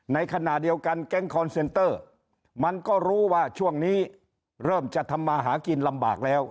ในขณะเดียวกันแก๊งคอนเซนเตอร์มันก็รู้ว่าช่วงนี้เริ่มจะทำมาหากินลำบากแล้ว